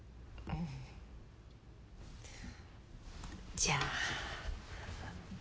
じゃあ。